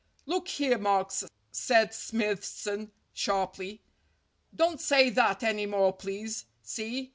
"Look here, Marks," said Smithson sharply, "don't say that any more, please. See